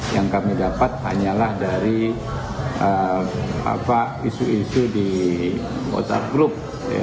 yang kami dapat hanyalah dari isu isu di whatsapp group